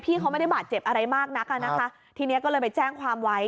เขาไม่ได้บาดเจ็บอะไรมากนักอ่ะนะคะทีนี้ก็เลยไปแจ้งความไว้